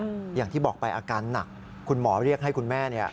อย่างที่บอกไปอาการหนักคุณหมอเรียกให้คุณแม่เนี่ย